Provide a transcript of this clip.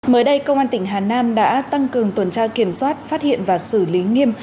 mới đây công an tỉnh hà nam đã tăng cường tuần tra kiểm soát phát hiện và xử lý nghiêm